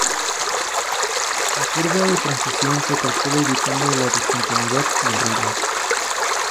La curva de transición se calcula evitando la discontinuidad del radio.